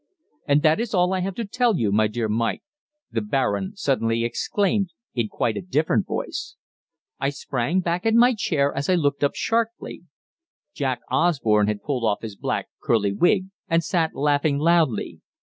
"And that is all I have to tell you, my dear Mike," the "Baron" suddenly exclaimed in quite a different voice. I sprang back in my chair as I looked up sharply. Jack Osborne had pulled off his black, curly wig, and sat laughing loudly.